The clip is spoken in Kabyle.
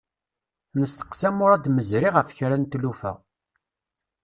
Nesteqsa Murad Mezri ɣef kra n tlufa.